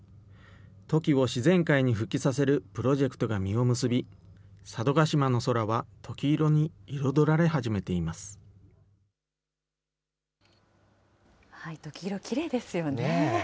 トキを自然界に復帰させるプロジェクトが実を結び、佐渡島の空はトキ色に彩られ始めています。